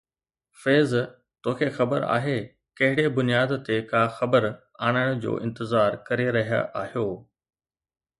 فيض، توکي خبر آهي، ڪهڙي بنياد تي ڪا خبر آڻڻ جو انتظار ڪري رهيا آهيو؟